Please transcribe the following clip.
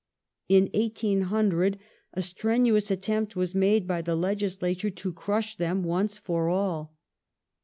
In 1800 a strenuous attempt was made by the legislature to crush them once for all.